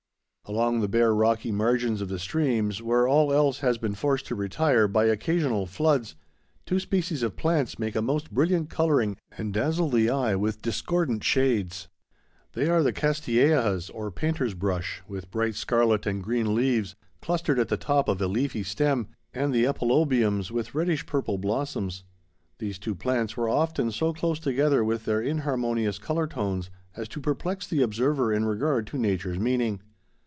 Along the bare rocky margins of the streams, where all else has been forced to retire by occasional floods, two species of plants make a most brilliant coloring and dazzle the eye with discordant shades. They are the castilleias, or painter's brush, with bright scarlet and green leaves clustered at the top of a leafy stem, and the epilobiums, with reddish purple blossoms; these two plants were often so close together with their inharmonious color tones as to perplex the observer in regard to nature's meaning.